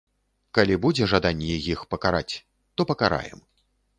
Калі будзе жаданне іх пакараць, то пакараем.